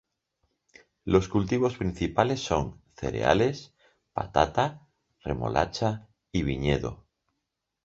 Los cultivos principales son: cereales, patata, remolacha y viñedo.